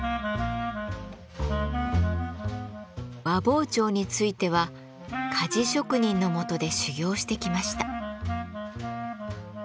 和包丁については鍛冶職人の下で修業してきました。